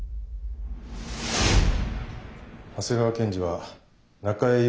長谷川検事は中江雄